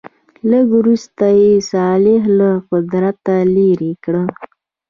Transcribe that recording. لږ وروسته یې صالح له قدرته لیرې کړ.